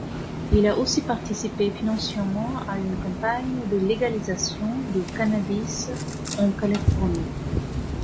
Il a aussi participé financièrement à une campagne de légalisation du cannabis en Californie.